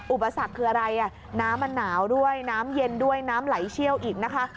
อุปสรรคคืออะไรน้ำมันหนาวด้วยน้ำเย็นด้วยน้ำไหลเชี่ยวอีกนะคะ